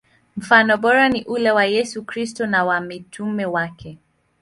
Mfano bora ni ule wa Yesu Kristo na wa mitume wake.